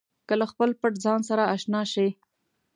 که له خپل پټ ځان سره اشنا شئ.